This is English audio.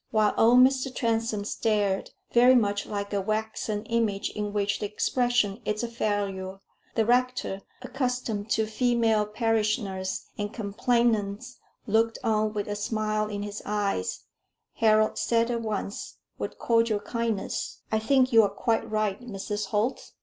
While old Mr. Transome stared, very much like a waxen image in which the expression is a failure, and the rector, accustomed to female parishioners and complainants, looked on with a smile in his eyes, Harold said at once, with cordial kindness "I think you are quite right, Mrs. Holt.